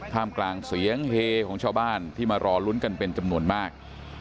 กลางเสียงเฮของชาวบ้านที่มารอลุ้นกันเป็นจำนวนมาก